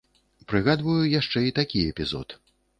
Прыгадваю яшчэ і такі эпізод.